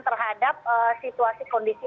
terhadap situasi kondisi